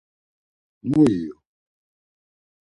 Mu iyu?